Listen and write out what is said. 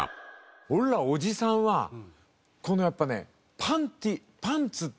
俺らおじさんはこのやっぱね。